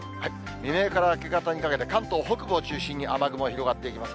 未明から明け方にかけて、関東北部を中心に雨雲が広がっていきます。